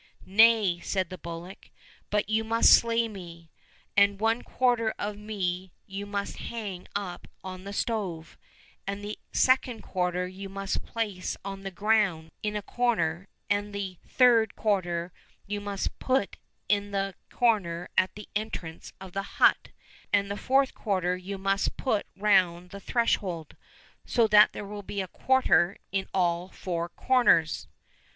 —" Nay !" said the bullock ;" but you must slay me, and one quarter of me you must hang up on the stove, and the second quarter you must place on the ground in a corner, and the third quarter you must put in the corner at the entrance of the hut, and the fourth quarter you must put round the threshold, so that there will be a quarter in all four corners."